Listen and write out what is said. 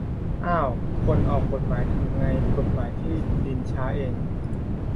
อ้าว ! คนออกกฎหมายทำให้กฎหมายที่ดินช้าเอง ?